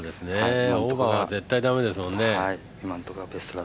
オープンは絶対駄目ですもんね。